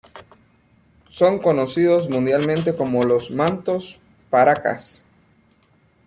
Son conocidos mundialmente como los Mantos Paracas.